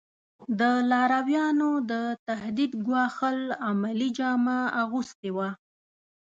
د لارویانو د تهدید ګواښل عملي جامه اغوستې وه.